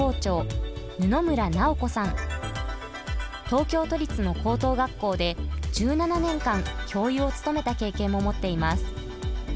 東京都立の高等学校で１７年間教諭を務めた経験も持っています。